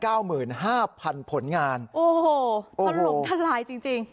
โอ้โฮคำลงทันหลายจริง